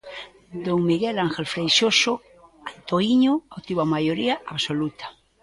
Don Miguel Ángel Freixoso Antoíño obtivo a maioría absoluta.